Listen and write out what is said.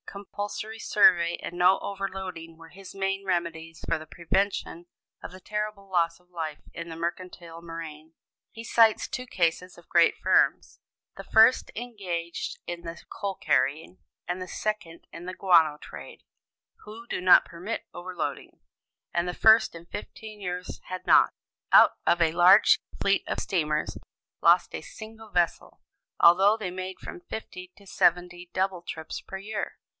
Compulsory survey and no overloading were his main remedies for the prevention of the terrible loss of life in the mercantile marine. He cites two cases of great firms the first engaged in the coal carrying, and the second in the guano trade who do not permit overloading, and the first, in fifteen years had not, out of a large fleet of steamers, lost a single vessel, although they made from fifty to seventy double trips per year.